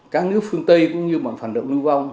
các nước phương tây cũng như bản phản động ngu vong